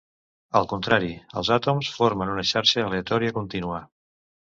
Al contrari, els àtoms formen una xarxa aleatòria contínua.